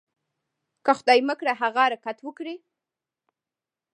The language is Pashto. که خدای مه کړه هغه حرکت وکړي.